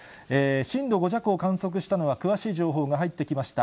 震度５弱を観測したのは、詳しい情報が入ってきました。